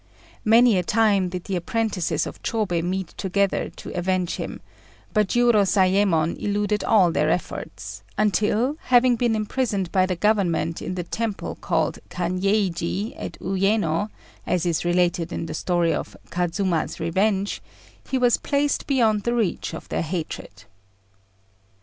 Many a time did the apprentices of Chôbei meet together to avenge him; but Jiurozayémon eluded all their efforts, until, having been imprisoned by the Government in the temple called Kanyeiji, at Uyéno, as is related in the story of "Kazuma's Revenge," he was placed beyond the reach of their hatred.